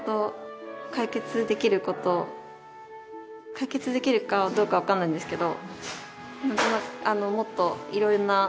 解決できるかどうかはわからないんですけど。